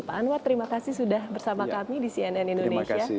pak anwar terima kasih sudah bersama kami di cnn indonesia